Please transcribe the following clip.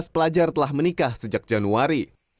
lima belas pelajar telah menikah sejak januari